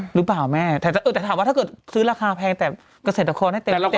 หรือเปล่าแม่แต่ถามว่าถ้าเกิดซื้อราคาแพงแต่เกษตรกรได้เต็มหน่วยแล้วโอเคนะ